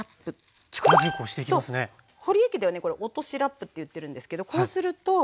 ほりえ家ではねこれ落としラップって言ってるんですけどこうすると見て下さい。